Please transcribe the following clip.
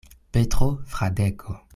Petro Fradeko.